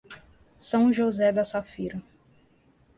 São José da Safira